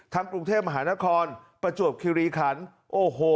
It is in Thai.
กรุงเทพมหานครประจวบคิริขันโอ้โห